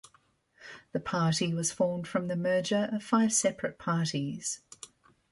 The party was formed from the merger of five separate parties.